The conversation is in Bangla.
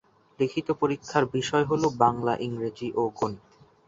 লিখিত পরীক্ষার বিষয় হলো: বাংলা, ইংরেজি ও গণিত।